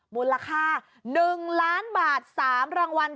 มูลค่า๑ล้านบาท๓รางวัล